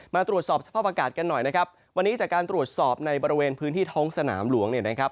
มาตรวจสอบสภาพอากาศกันหน่อยนะครับวันนี้จากการตรวจสอบในบริเวณพื้นที่ท้องสนามหลวงเนี่ยนะครับ